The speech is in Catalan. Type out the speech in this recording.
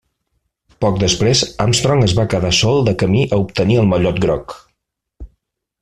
Poc després Armstrong es va quedar sol de camí a obtenir el Mallot groc.